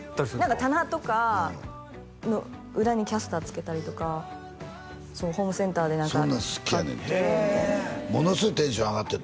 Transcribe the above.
棚とかの裏にキャスター付けたりとかホームセンターでそんなん好きやねんてへえものすごいテンション上がってた